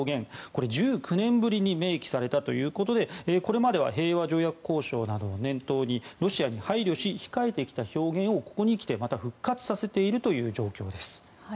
これ、１９年ぶりに明記されたということでこれまでは平和条約交渉などを念頭にロシアに配慮し控えてきた表現をここに来てまた復活させている状況です。